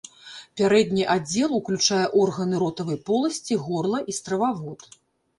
Пярэдні аддзел уключае органы ротавай поласці, горла і стрававод.